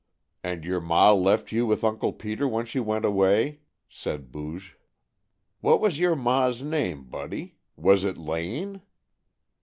"And your ma left you with Uncle Peter when she went away," said Booge. "What was your ma's name, Buddy. Was it Lane?"